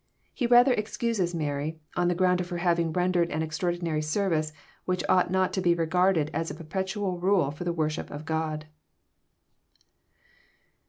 He rather excuses Mary, on the ground of her having rendered an extraordinary service, which ought not to be regard ed as a perpetual rule for the worship of God."